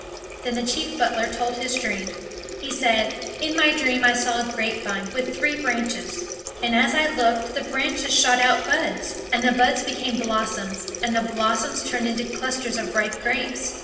Then the chief butler told his dream. He said, "In my dream I saw a grape vine with three branches; and as I looked, the branches shot out buds; and the buds became blossoms; and the blossoms turned into clusters of ripe grapes.